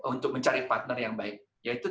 untuk mencari partner yang baik yaitu tiga c